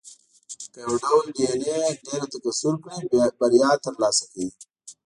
که یو ډول ډېایناې ډېره تکثر کړي، بریا ترلاسه کوي.